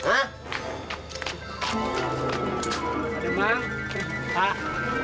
pak demang pak